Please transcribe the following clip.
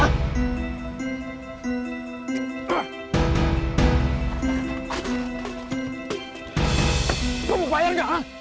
kamu mau bayar gak bang